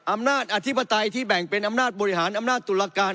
อธิปไตยที่แบ่งเป็นอำนาจบริหารอำนาจตุลาการ